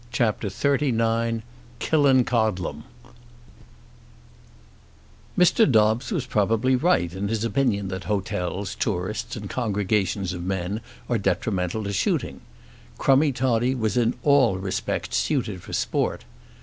CHAPTER XXXIX Killancodlem Mr. Dobbes was probably right in his opinion that hotels, tourists, and congregations of men are detrimental to shooting. Crummie Toddie was in all respects suited for sport.